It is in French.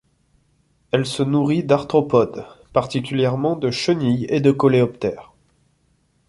Elle se nourrit d'arthropodes, particulièrement de chenilles et de coléoptères.